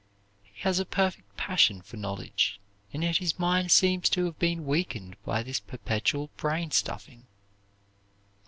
He has a perfect passion for knowledge, and yet his mind seems to have been weakened by this perpetual brain stuffing.